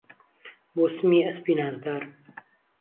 بۆ سمی ئهسپی نازدار